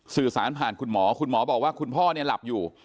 สื่อสารผ่านคุณหมอคุณหมอบอกว่าคุณพ่อเนี่ยหลับอยู่